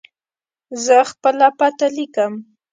زه خپله پته لیکم.